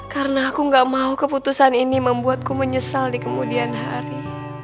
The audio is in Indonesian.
karena aku gak mau keputusan ini membuatku menyesal di kemudian hari